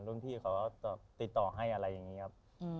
รุ่นพี่เขาติดต่อให้อะไรอย่างนี้ครับ